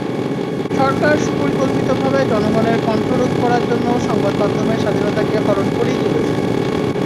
সরকার সুপরিকল্পিতভাবে জনগণের কণ্ঠ রোধ করার জন্য সংবাদমাধ্যমের স্বাধীনতাকে হরণ করেই চলেছে।